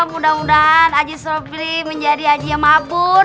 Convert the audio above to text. mudah mudahan haji sobri menjadi haji yang mabur